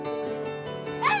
あ！